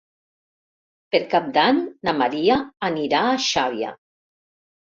Per Cap d'Any na Maria anirà a Xàbia.